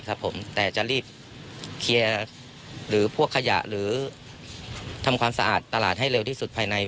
ครับผมแต่จะรีบเคลียร์หรือพวกขยะหรือทำความสะอาดตลาดให้เร็วที่สุดภายใน